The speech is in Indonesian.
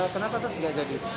kenapa tidak jadi